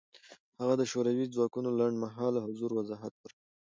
هغه د شوروي ځواکونو لنډمهاله حضور وضاحت ورکړ.